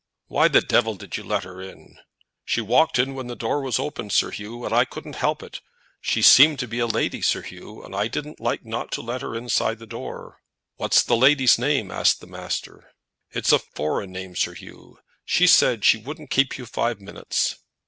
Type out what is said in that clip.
"Why the devil did you let her in?" "She walked in when the door was opened, Sir Hugh, and I couldn't help it. She seemed to be a lady, Sir Hugh, and I didn't like not to let her inside the door." "What's the lady's name?" asked the master. "It's a foreign name, Sir Hugh. She said she wouldn't keep you five minutes."